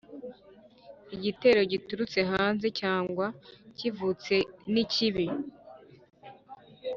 igitero giturutse hanze cyangwa kivutse nikibi